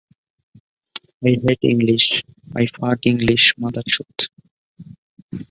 The mezzanine is wooden with boarded floors and ceiling decoration.